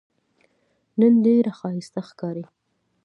نن ډېره ښایسته ښکارې